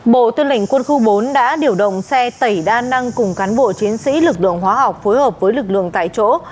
bộ tư lệnh quân khu bốn đã điều động xe tẩy đa năng cùng cán bộ chiến sĩ lực lượng hóa học phối hợp với lực lượng tại chỗ